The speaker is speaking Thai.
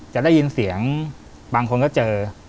จะได้ยินเสียงบางคนก็เจอ